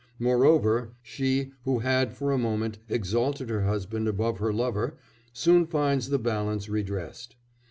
Moreover she, who had, for a moment, exalted her husband above her lover, soon finds the balance redressed.